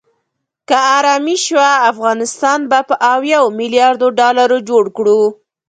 که آرامي شوه افغانستان به په اوو ملیاردو ډالرو جوړ کړو.